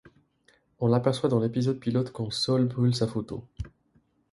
On l'aperçoit dans l'épisode pilote quand Saul brûle sa photo.